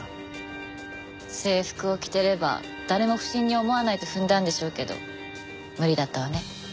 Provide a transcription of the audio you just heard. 制服を着てれば誰も不審に思わないと踏んだんでしょうけど無理だったわね。